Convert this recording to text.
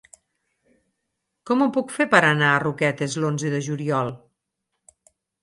Com ho puc fer per anar a Roquetes l'onze de juliol?